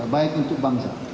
baik untuk bangsa